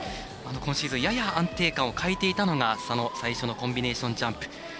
今シーズンやや安定感を欠いていたのが最初のコンビネーションジャンプ。